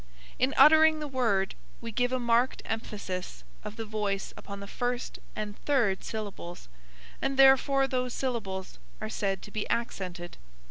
In uttering the word we give a marked emphasis of the voice upon the first and third syllables, and therefore those syllables are said to be accented.